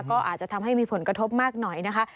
ก็อาจจะทำให้มีผลกระทบมากหน่อยนะคะ